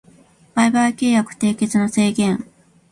売買契約締結の制限